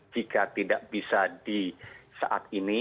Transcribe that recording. jika tidak bisa di saat ini